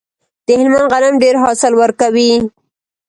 د هلمند غنم ډیر حاصل ورکوي.